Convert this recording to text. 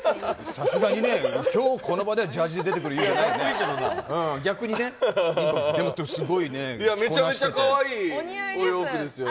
さすがに今日この場にはジャージーで出てくる勇気はないよね、逆にね。めちゃめちゃかわいいお洋服ですよね。